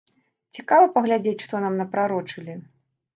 Цікава паглядзець, што нам напрарочылі?